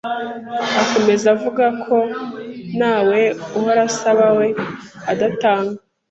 akomeza avuga ko nta we uhora asaba we adatanga.